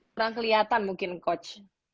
kurang kelihatan mungkin coach